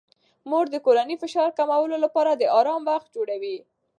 مور د کورنۍ د فشار کمولو لپاره د آرام وخت جوړوي.